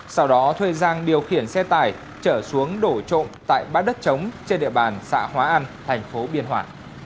sau đó thuê giang điều khiển xe tải trở xuống đổ trộm tại bã đất chống trên địa bàn xã hóa an thành phố biên hòa